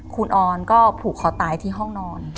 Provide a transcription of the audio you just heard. คุณออนก็ผูกคอตายที่ห้องนอน